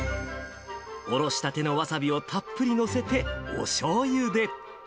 おろしたてのわさびをたっぷり載せて、おしょうゆで。